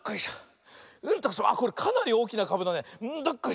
あっこれかなりおおきなかぶだね。